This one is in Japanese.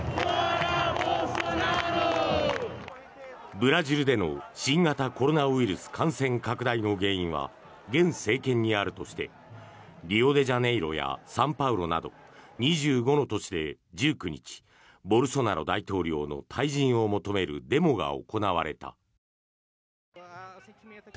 ブラジルでの新型コロナウイルス感染拡大の原因は現政権にあるとしてリオデジャネイロやサンパウロなど２５の都市で１９日ボルソナロ大統領の退陣を求めるデモが行われた。